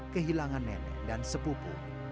kehilangan nenek dan sepupu